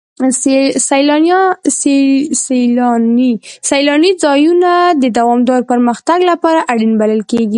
سیلاني ځایونه د دوامداره پرمختګ لپاره اړین بلل کېږي.